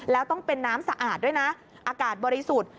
แล้วต้องเป็นน้ำสะอาดด้วยนะอากาศบริสุทธิ์